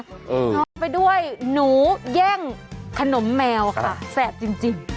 พร้อมไปด้วยหนูแย่งขนมแมวค่ะแสบจริง